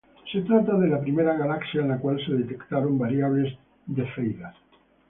Se trata de la primera galaxia en la cual se detectaron variables cefeidas.